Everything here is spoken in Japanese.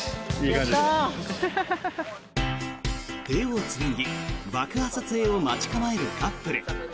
手をつなぎ爆破撮影を待ち構えるカップル。